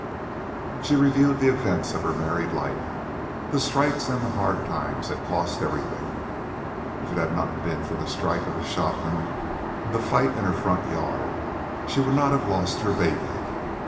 She reviewed the events of her married life. The strikes and the hard times had caused everything. If it had not been for the strike of the shopmen and the fight in her front yard, she would not have lost her baby.